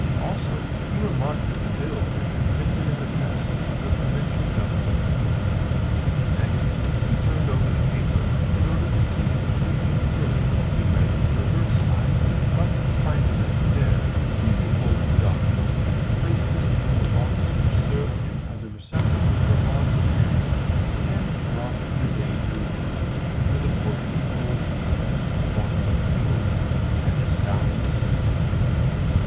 Also, he remarked that the bill had been printed in the press of the Provincial Government. Next, he turned over the paper, in order to see if anything further was to be read on the reverse side; but, finding nothing there, he refolded the document, placed it in the box which served him as a receptacle for odds and ends, and brought the day to a close with a portion of cold veal, a bottle of pickles, and a sound sleep.